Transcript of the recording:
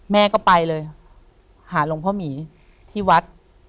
แม่ก็ไปเลยหาหลวงพ่อหมีที่วัด